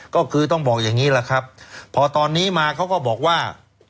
ก็คือต้องบอกอย่างนี้แหละครับพอตอนนี้มาเขาก็บอกว่า